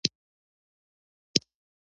موږ ولې سوله غواړو؟